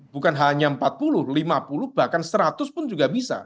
bukan hanya empat puluh lima puluh bahkan seratus pun juga bisa